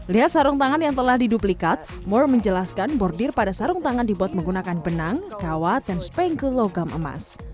lihat sarung tangan yang telah diduplikat more menjelaskan bordir pada sarung tangan dibuat menggunakan benang kawat dan spengkle logam emas